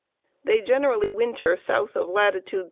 They generally winter south of latitude 36°.